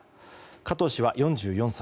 加藤氏は４４歳。